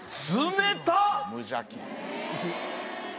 無邪気な。